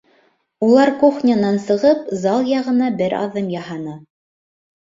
Улар кухнянан сығып, зал яғына бер аҙым яһаны.